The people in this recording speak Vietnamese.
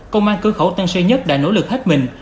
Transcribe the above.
công an cửa khẩu tân sơ nhất đã nỗ lực hết mình